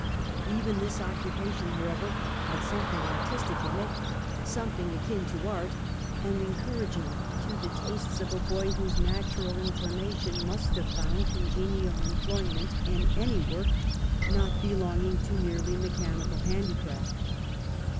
Even this occupation, however, had something artistic in it, something akin to art, and encouraging to the tastes of a boy whose natural inclination must have found congenial employment in any work not belonging to merely mechanical handicraft.